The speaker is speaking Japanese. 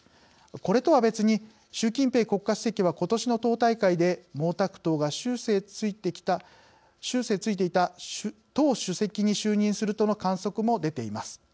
これとは別に、習近平国家主席はことしの党大会で毛沢東が終生就いていた党主席に就任するとの観測も出ています。